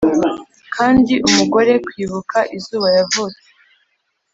kandi umugore - kwibuka izuba - yavutse.